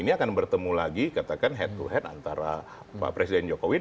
ini akan bertemu lagi katakan head to head antara pak presiden jokowi